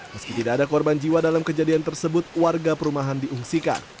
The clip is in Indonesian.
meski tidak ada korban jiwa dalam kejadian tersebut warga perumahan diungsikan